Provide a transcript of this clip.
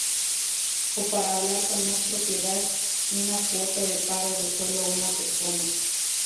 O para hablar con más propiedad, una cuota de paro de sólo una persona.